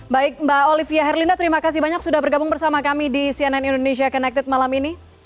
baik mbak olivia herlinda terima kasih banyak sudah bergabung bersama kami di cnn indonesia connected malam ini